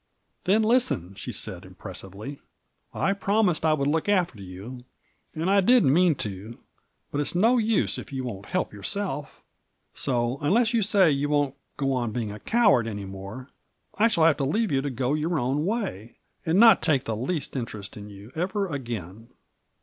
" Then, listen," she said impressively. " I promised I would look after you, and I did mean to, but it's no use if you won't help yourself. So, unless you say you won't go on being a coward any more, I shall have to leave you to go your own way, and not take the least in terest in you ever again."